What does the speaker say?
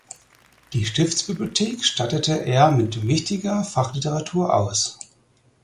Die Stiftsbibliothek stattete er mit wichtiger Fachliteratur aus.